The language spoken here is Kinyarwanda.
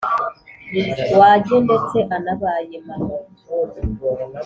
wajye ndetse anabaye mama